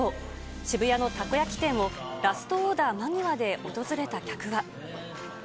渋谷のたこ焼き店を、ラストオーダー間際で訪れた客は。